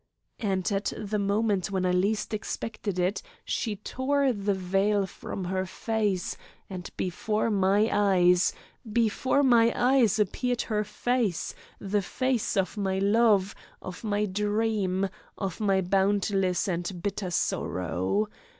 And at the moment when I least expected it she tore the veil from her face, and before my eyes before my eyes appeared her face, the face of my love, of my dream, of my boundless and bitter sorrow.